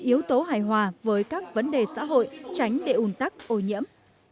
yếu tố hài hòa với các vấn đề xã hội tránh để un tắc ô nhiễm